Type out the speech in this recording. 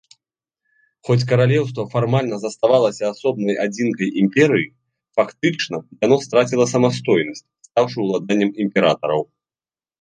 Хоць каралеўства фармальна заставалася асобнай адзінкай імперыі, фактычна яно страціла самастойнасць, стаўшы ўладаннем імператараў.